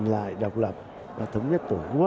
lại ùa về